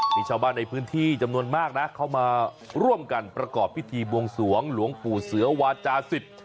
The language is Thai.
มีชาวบ้านในพื้นที่จำนวนมากนะเข้ามาร่วมกันประกอบพิธีบวงสวงหลวงปู่เสือวาจาสิบ